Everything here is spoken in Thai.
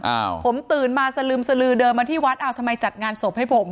อ้าวผมตื่นมาสลึมสลือเดินมาที่วัดอ้าวทำไมจัดงานศพให้ผม